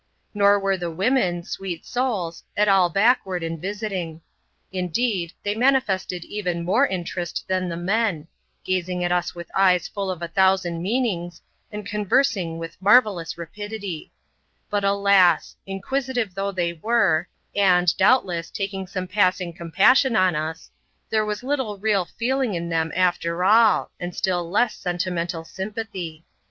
Nor were the women, sweet souls, at all backward in visiting, ndeed, they manifested even more interest than the men; azing at us with eyes full of a thousand meanings, and con ersing with marvellous rapidity. But, alas ! inquisitive though bey were, and, doubtless, taking some pasamg eotw^^i^^wcL ^tsl 132 ADVENTURES IN THE SOUTH SEAS. [chap, xxxra. US, there was little real feeling in them after all, and still less sentimental sympathy.